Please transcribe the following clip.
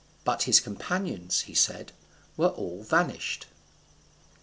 But his companions, he said, were all vanished.